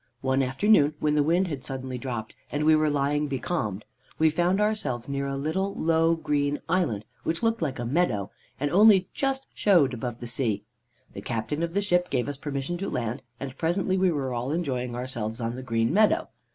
One afternoon, when the wind had suddenly dropped and we were lying becalmed, we found ourselves near a little low green island, which looked like a meadow, and only just showed above the sea. The captain of the ship gave us permission to land, and presently we were all enjoying ourselves on the green meadow.